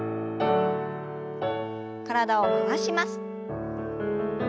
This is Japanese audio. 体を回します。